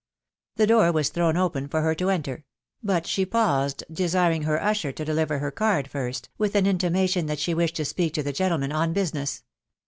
The door was thrown open for her to enter ; "but she paused, desiring her usher to deliver her card first, with an intimation that she wished to speak to the gentleman oil business.